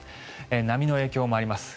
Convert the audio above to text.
波の影響もあります。